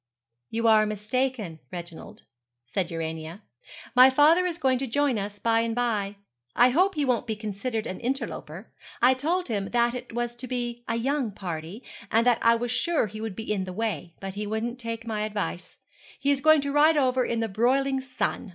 'You are mistaken, Reginald,' said Urania; 'my father is going to join us by and by. I hope he won't be considered an interloper. I told him that it was to be a young party, and that I was sure he would be in the way; but he wouldn't take my advice. He is going to ride over in the broiling sun.